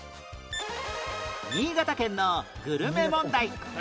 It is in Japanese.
新潟県のグルメ問題